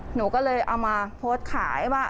หนูก็เลยเอามาโพสต์ขายว่า